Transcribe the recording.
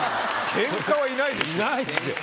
ケンカはいないですよ。